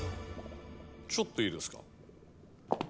ちょっといいですか？